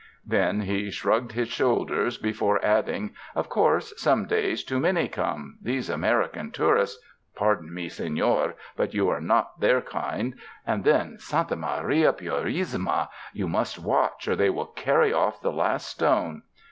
Then he shrugged his shoulders, 111 UNDER THE SKY IN CALIFORNIA before adding, "Of course, some days too many come — these American tourists — pardon me, senor, but you are not their kind — and then, santa Maria purisima! you must watch or they will carry off the last stone.